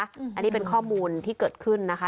อันนี้เป็นข้อมูลที่เกิดขึ้นนะคะ